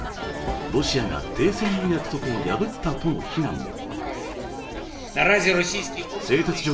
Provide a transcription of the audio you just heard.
ロシアが停戦の約束を破ったとの非難も。